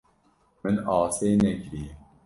Min asê nekiriye.